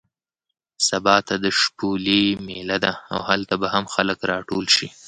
سبا ته د شپولې مېله ده او هلته به هم خلک راټول شي.